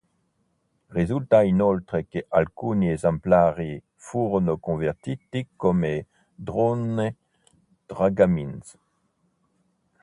Risulta inoltre che alcuni esemplari furono convertiti come drones dragamine.